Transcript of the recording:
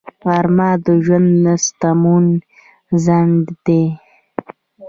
غرمه د ژوند د ستمو ځنډ دی